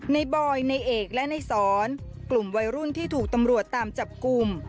บอยในเอกและในสอนกลุ่มวัยรุ่นที่ถูกตำรวจตามจับกลุ่ม